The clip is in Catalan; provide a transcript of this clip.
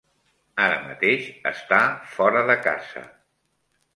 Ara mateix està fora de casa.